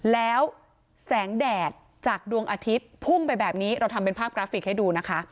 แล้วแสงแดดจากดวงอาทิตย์พุ่งไปแบบนี้เราทำเป็นภาพกราฟิกให้ดูนะคะ